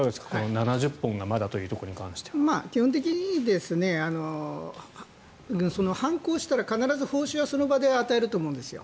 ７０本がまだというところに関しては基本的に犯行したら必ず報酬はその場で与えると思うんですよ。